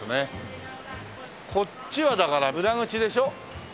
こっちはだから裏口でしょ？